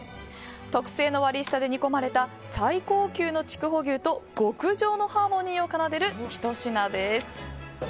特製の割り下で煮込まれた最高級の筑穂牛と極上のハーモニーを奏でるひと品です。